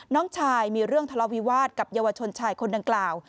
น้องชายมีเรื่องทะเลาวิวาสกับเยาวชนชายคนดังกล่าว